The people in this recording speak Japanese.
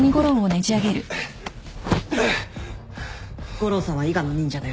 悟郎さんは伊賀の忍者だよね？